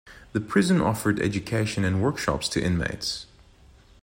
The prison offered education and workshops to inmates.